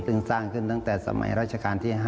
ซึ่งสร้างขึ้นตั้งแต่สมัยราชการที่๕